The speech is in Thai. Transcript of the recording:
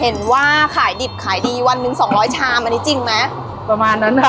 เห็นว่าขายดิบขายดีวันหนึ่งสองร้อยชามอันนี้จริงไหมประมาณนั้นอ่ะ